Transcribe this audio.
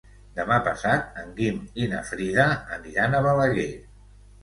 Demà passat en Guim i na Frida aniran a Balaguer.